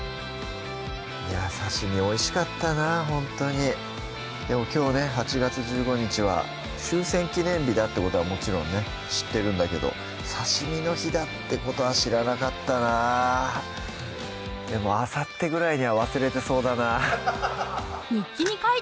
いやぁ刺身おいしかったなほんとにでもきょうね８月１５日は終戦記念日だっていうことはもちろんね知ってるんだけど刺身の日だってことは知らなかったなでも日記に書いておいて！